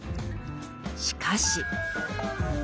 しかし。